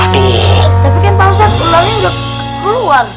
tapi kan pak ustaz ularnya nggak keluar